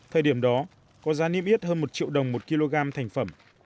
thời điểm đó có giá niêm yết hơn một triệu đồng một kg thành phẩm